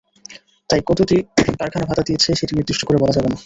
তাই কতটি কারখানা ভাতা দিয়েছে, সেটি নির্দিষ্ট করে বলা যাবে না।